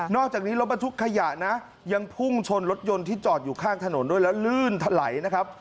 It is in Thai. อกจากนี้รถบรรทุกขยะนะยังพุ่งชนรถยนต์ที่จอดอยู่ข้างถนนด้วยแล้วลื่นถลายนะครับ